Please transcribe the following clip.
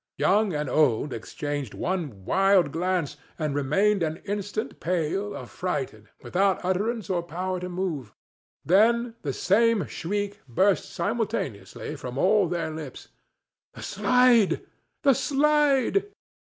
Young and old exchanged one wild glance and remained an instant pale, affrighted, without utterance or power to move. Then the same shriek burst simultaneously from all their lips: "The slide! The slide!"